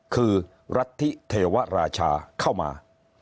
คือรัฐธิเทวราชาเข้ามา